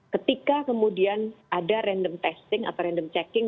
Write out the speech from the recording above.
ketika kemudian ada random testing atau random checking